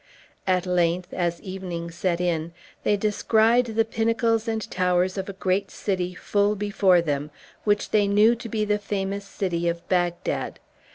At length, as evening set in, they descried the pinnacles and towers of a great city full before them, which they knew to be the famous city of Bagdad.